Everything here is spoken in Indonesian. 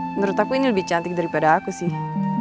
menurut aku ini lebih cantik daripada aku sih